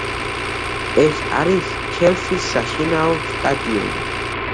ეს არის ჩელსის საშინაო სტადიონი.